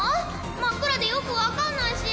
真っ暗でよく分かんないし。